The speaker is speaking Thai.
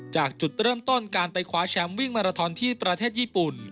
จุดเริ่มต้นการไปคว้าแชมป์วิ่งมาราทอนที่ประเทศญี่ปุ่น